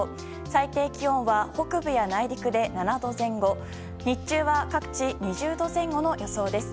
最低気温は北部や内陸で７度前後日中は各地２０度前後の予想です。